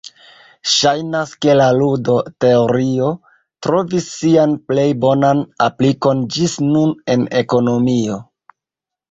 Ŝajnas ke la ludo-teorio trovis sian plej bonan aplikon ĝis nun en ekonomio.